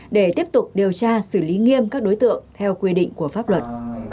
để tiếp tục điều tra xử lý nghiêm các đối tượng theo quy định của pháp luật